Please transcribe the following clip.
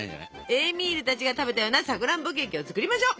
エーミールたちが食べたようなさくらんぼケーキを作りましょう。